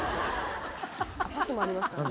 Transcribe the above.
パスもありますからね。